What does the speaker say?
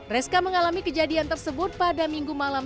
reska mengalami kejadian tersebut pada minggu malam